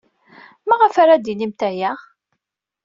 Maɣef ara d-tinimt aya?